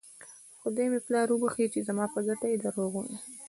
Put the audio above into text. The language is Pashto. خدای مې پلار وبښي چې زما په ګټه یې درواغ ویل.